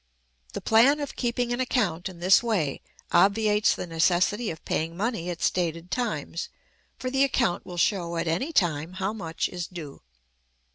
The plan of keeping an account in this way obviates the necessity of paying money at stated times, for the account will show at any time how much is due.